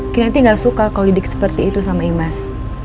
kinanti gak suka kalau dik seperti itu sama imas